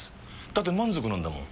だって満足なんだもん。